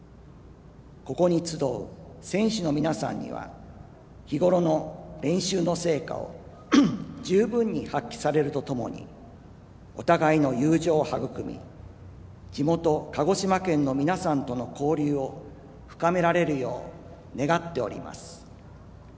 ここに集う選手の皆さんには日頃の練習の成果を十分に発揮されるとともにお互いの友情を育み地元鹿児島県の皆さんとの交流を深められるよう願っております。